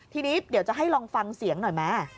ทีนี้เดี๋ยวจะให้ลองฟังเสียงหน่อยไหม